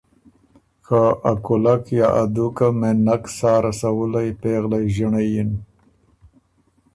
که ا کُولک ا دُوکه مېن نک سا رَسَوُلئ پېغله ݫِنړئ یِن،